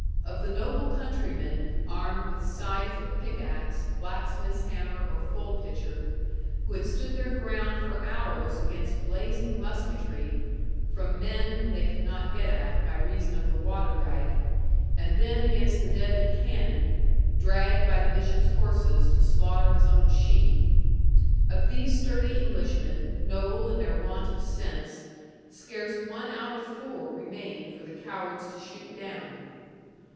Of the noble countrymen (armed with scythe or pickaxe, blacksmith's hammer, or fold pitcher), who had stood their ground for hours against blazing musketry (from men whom they could not get at, by reason of the water dyke), and then against the deadly cannon, dragged by the Bishop's horses to slaughter his own sheep; of these sturdy Englishmen, noble in their want of sense, scarce one out of four remained for the cowards to shoot down.